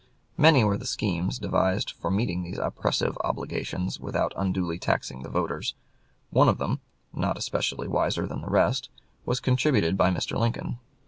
"] Many were the schemes devised for meeting these oppressive obligations without unduly taxing the voters; one of them, not especially wiser than the rest, was contributed by Mr. Lincoln.